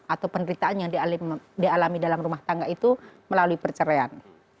atau penderitaan yang dialami dalam rumah tangga itu melalui perceraian